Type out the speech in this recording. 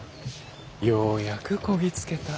ようやくこぎ着けた。